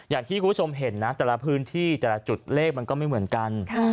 อย่างที่คุณผู้ชมเห็นนะแต่ละพื้นที่แต่ละจุดเลขมันก็ไม่เหมือนกัน